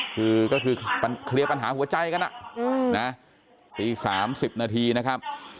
คือก็คือเคลียร์ปัญหาหัวใจกันอ่ะอืมนะอีกสามสิบนาทีนะครับ